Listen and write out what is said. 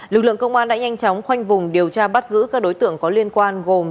lực lượng công an đã nhanh chóng khoanh vùng điều tra bắt giữ các đối tượng có liên quan gồm